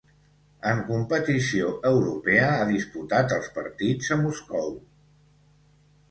En competició europea ha disputat els partits a Moscou.